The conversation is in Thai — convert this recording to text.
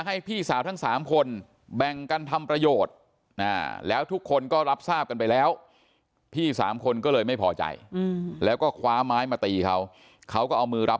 ให้พี่สาวทั้ง๓คนแบ่งกันทำประโยชน์แล้วทุกคนก็รับทราบกันไปแล้วพี่สามคนก็เลยไม่พอใจแล้วก็คว้าไม้มาตีเขาเขาก็เอามือรับ